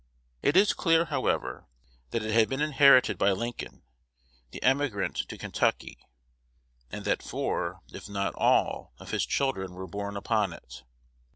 It is clear, however, that it had been inherited by Lincoln, the emigrant to Kentucky, and that four, if not all, of his children were born upon it.